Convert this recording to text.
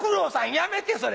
やめてそれ！